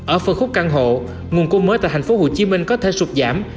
ở phân khúc căn hộ nguồn cung mới tại thành phố hồ chí minh có thể sụp giảm